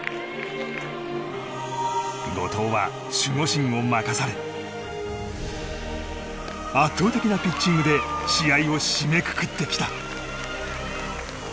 後藤は守護神を任され圧倒的なピッチングで試合を締めくくってきた。